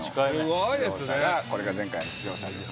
これが前回の出場者です。